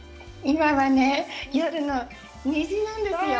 今はね、夜の２時なんですよ。